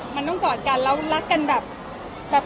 มันต้องกอดกันแล้วรักกันแบบ